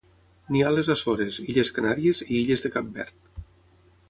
N'hi ha a les Açores, illes Canàries, i illes de Cap Verd.